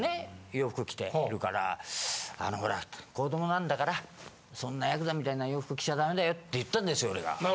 洋服着てるからあのほら子どもなんだからそんなヤクザみたいな洋服着ちゃダメだよって言ったんですよ俺が。